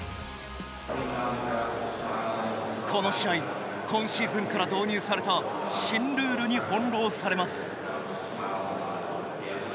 この試合今シーズンから導入された新ルールに翻弄されます。